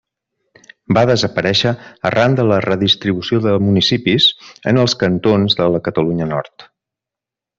Va desaparèixer arran de la redistribució de municipis en els cantons a la Catalunya Nord.